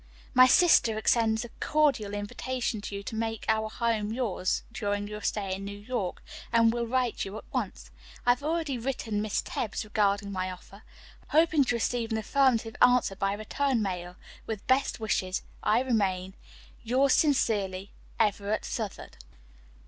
"My sister extends a cordial invitation to you to make our home yours during your stay in New York, and will write you at once. I have already written Miss Tebbs regarding my offer. Hoping to receive an affirmative answer by return mail, with best wishes, I remain "Yours sincerely, "EVERETT SOUTHARD."